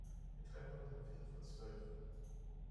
Wir treffen uns um viertel vor zwölf.